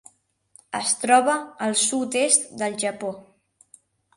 Es troba al sud-est del Japó.